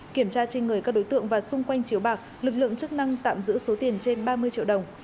kiểm tra trên người các đối tượng và xung quanh chiếu bạc lực lượng chức năng tạm giữ số tiền trên ba mươi triệu đồng